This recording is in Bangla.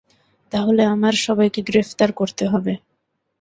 তাহলে আমার সবাইকে গ্রেফতার করতে হবে।